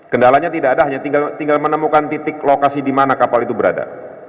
kendalanya tidak ada hanya tinggal menemukan titik lokasi di mana kapal itu berada